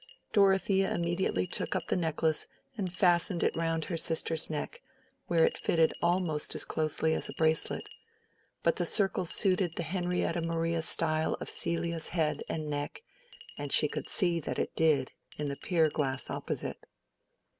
Dorothea immediately took up the necklace and fastened it round her sister's neck, where it fitted almost as closely as a bracelet; but the circle suited the Henrietta Maria style of Celia's head and neck, and she could see that it did, in the pier glass opposite.